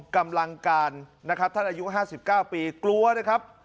กำลังการนะครับท่านอายุห้าสิบเก้าปีกลัวนะครับ